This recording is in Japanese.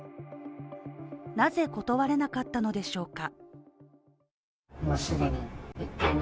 なぜ断れなかったのでしょうか。